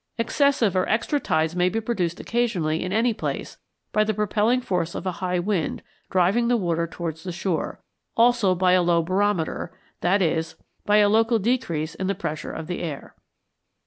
Excessive or extra tides may be produced occasionally in any place by the propelling force of a high wind driving the water towards the shore; also by a low barometer, i.e. by a local decrease in the pressure of the air.